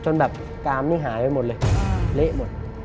เละหมด